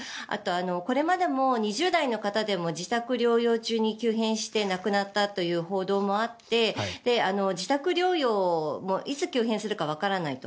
これまでも２０代の方でも自宅療養中に急変して亡くなったという報道もあって自宅療養もいつ急変するかわからないと。